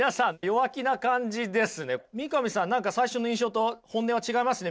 三上さん何か最初の印象と本音は違いますね